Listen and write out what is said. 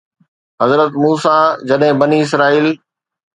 حضرت موسيٰ جڏهن بني اسرائيل